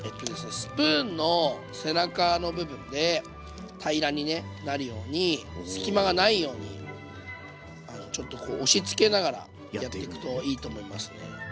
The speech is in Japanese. スプーンの背中の部分で平らにねなるように隙間がないようにちょっとこう押しつけながらやっていくといいと思いますね。